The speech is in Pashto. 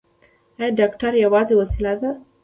ایا ډاکټر یوازې وسیله ده؟